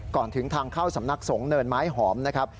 ก่อนถึงทางเข้าสำนักสงฆ์เนินไม้หอมนะครับ